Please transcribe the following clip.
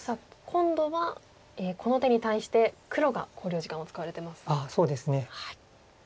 今度はこの手に対して黒が考慮時間を使われてます。